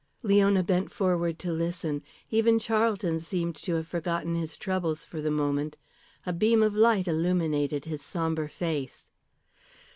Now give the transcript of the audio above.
Leona bent forward to listen. Even Charlton seemed to have forgotten his troubles for the moment. A beam of light illuminated his sombre face.